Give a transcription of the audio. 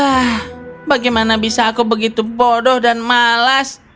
ah bagaimana bisa aku begitu bodoh dan malas